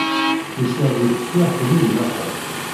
Tusiḍ-d deg teswiɛt-nni ilaqen.